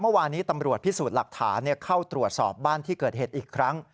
เมื่อวานี้ตำรวจพิสูจน์หลักฐานเข้าตรวจสอบบ้านที่เกิดเหตุอีกครั้ง